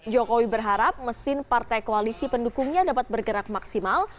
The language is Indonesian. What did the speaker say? jokowi berharap mesin partai koalisi pendukungnya dapat bergerak maksimal